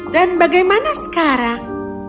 dan bagaimana sekarang